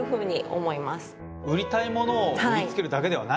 売りたいものを売りつけるだけではないんですね。